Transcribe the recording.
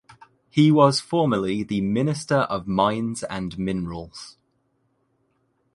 He was formerly the minister of mines and minerals.